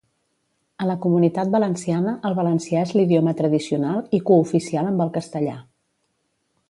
A la Comunitat Valenciana, el valencià és l'idioma tradicional i cooficial amb el castellà.